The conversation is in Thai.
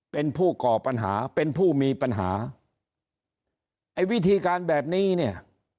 เป็นผู้ก่อปัญหาเป็นผู้มีปัญหาไอ้วิธีการแบบนี้เนี่ย